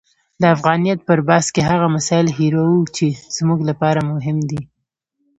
د افغانیت پر بحث کې هغه مسایل هیروو چې زموږ لپاره مهم دي.